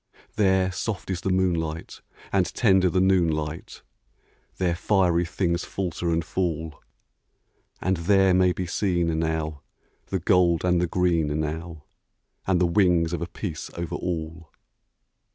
There soft is the moonlight, and tender the noon light; There fiery things falter and fall; And there may be seen, now, the gold and the green, now, And the wings of a peace over all.